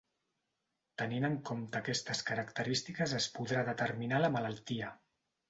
Tenint en compte aquestes característiques es podrà determinar la malaltia.